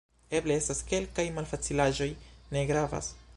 Eble estas kelkaj malfacilaĵoj... ne gravas.